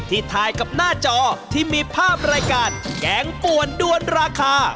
ถ่ายกับหน้าจอที่มีภาพรายการแกงป่วนด้วนราคา